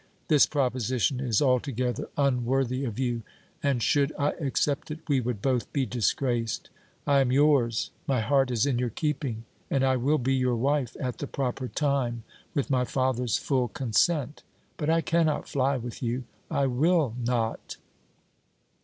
This proposition is altogether unworthy of you, and, should I accept it, we would both be disgraced. I am yours, my heart is in your keeping, and I will be your wife at the proper time with my father's full consent. But I cannot fly with you, I will not!"